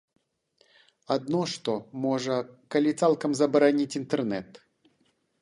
Адно што, можа, калі цалкам забараніць інтэрнэт.